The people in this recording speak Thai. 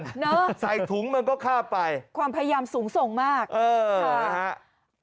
เนอะใส่ถุงมันก็ฆ่าไปความพยายามสูงส่งมากเออค่ะ